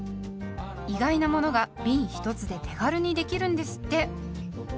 意外なものがびん１つで手軽にできるんですって。